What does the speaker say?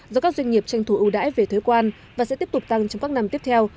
do các doanh nghiệp tranh thủ ưu đãi về thuế quan và sẽ tiếp tục tăng trong các năm tiếp theo